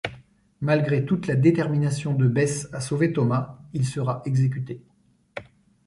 Malgré toute la détermination de Bess à sauver Thomas, il sera exécuté.